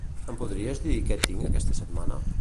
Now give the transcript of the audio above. Em podries dir què tinc aquesta setmana?